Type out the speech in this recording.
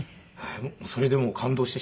それでもう感動してしまって。